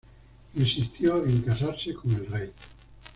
Insistió en casarse con el rey.